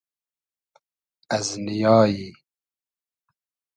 از نییای